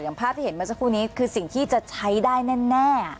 ภาพที่เห็นเมื่อสักครู่นี้คือสิ่งที่จะใช้ได้แน่